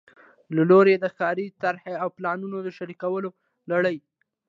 له لوري د ښاري طرحو او پلانونو د شریکولو لړۍ